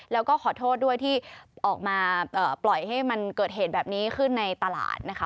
แล้วก็ขอโทษด้วยที่ออกมาปล่อยให้มันเกิดเหตุแบบนี้ขึ้นในตลาดนะคะ